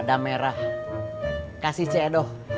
ada merah kasih cee edo